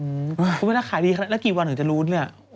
อื้อคุณพี่น่าขายดีค่ะแล้วกี่วันหนึ่งจะรู้เนี่ย